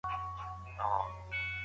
ایا ته له ملګرو سره درس وایې؟